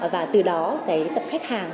và từ đó cái tập khách hàng